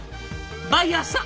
バイヤーさん！